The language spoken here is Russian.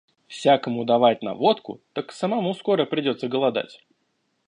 Всякому давать на водку, так самому скоро придется голодать».